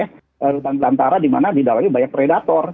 hutan belantara di mana di dalamnya banyak predator